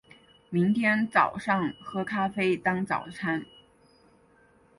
明天早上喝咖啡当早餐